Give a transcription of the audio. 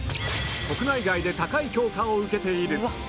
国内外で高い評価を受けている